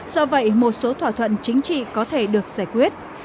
do vậy một số thỏa thuận chính trị có thể được giải quyết